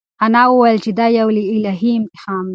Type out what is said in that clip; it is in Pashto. انا وویل چې دا یو الهي امتحان دی.